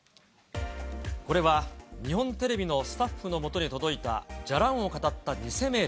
これは日本テレビのスタッフのもとに届いたじゃらんをかたった偽メール。